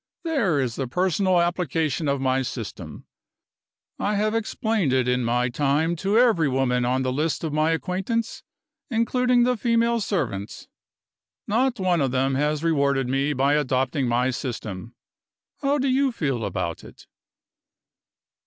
There is the personal application of my system. I have explained it in my time to every woman on the list of my acquaintance, including the female servants. Not one of them has rewarded me by adopting my system. How do you feel about it?"